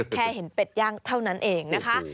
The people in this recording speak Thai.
แค่เห็นเป็ดย่างเท่านั้นเองนะคะ